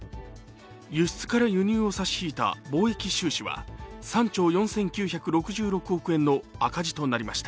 輸出から輸入を差し引いた貿易収支は３兆４９６６億円の赤字となりました。